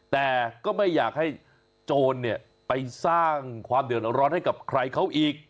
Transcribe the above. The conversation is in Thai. แต่ก็ไม่อยากให้โจรไปสร้างความเดือดร้อนให้กับใครเขาอีก